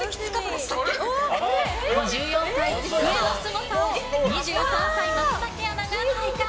５４歳、喜久恵のすごさを２３歳、松崎アナが体感。